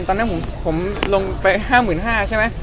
ตอนนั้นผมลงไป๕๕๐๐ใช่ไหม